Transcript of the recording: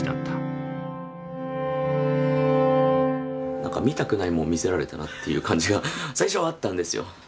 なんか見たくないもの見せられたなっていう感じが最初はあったんですよ。